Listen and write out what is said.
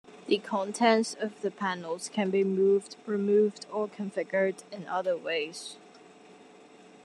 The contents of the panels can be moved, removed, or configured in other ways.